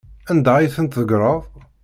Anda ay ten-tḍeggreḍ?